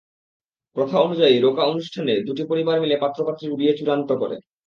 প্রথা অনুযায়ী রোকা অনুষ্ঠানে দুটি পরিবার মিলে পাত্র-পাত্রীর বিয়ে চূড়ান্ত করে।